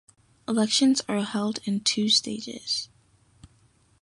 Elections are held in two stages.